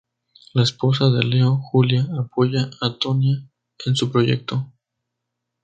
La esposa de Leo, Julia; apoya a Tonya en su proyecto.